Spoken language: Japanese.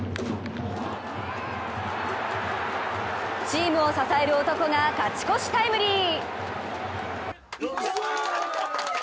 チームを支える男が勝ち越しタイムリー。